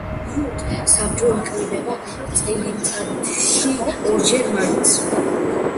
საბჭო იკრიბება წელიწადში ორჯერ მაინც.